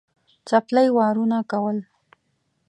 څپلۍ وارونه کول.